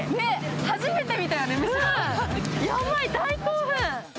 初めて見たよね、ヤバい大興奮。